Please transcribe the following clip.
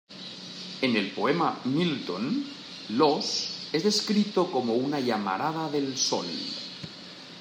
En el poema "Milton", Los es descrito como una llamarada del Sol.